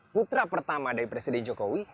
putra pertama dari presiden jokowi